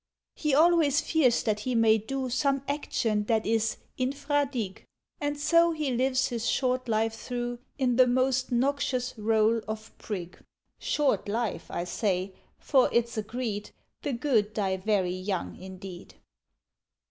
He always fears that he may do Some action that is infra dig., And so he lives his short life through In the most noxious rôle of Prig. ("Short life" I say, for it's agreed The Good die very young indeed.)